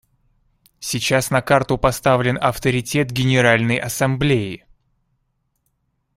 Сейчас на карту поставлен авторитет Генеральной Ассамблеи.